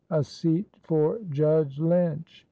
a seat for Judge Lynch!"